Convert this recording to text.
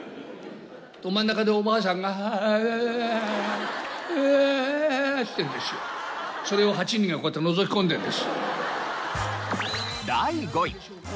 真ん中でおばあさんが「ああうあ」っつってるんですよ。それを８人がこうやってのぞき込んでるんです。